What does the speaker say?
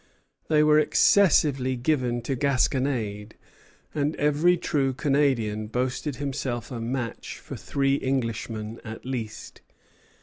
They were excessively given to gasconade, and every true Canadian boasted himself a match for three Englishmen at least.